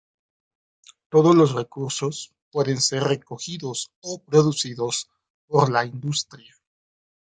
Todos los recursos pueden ser recogidos o producidos por la industria.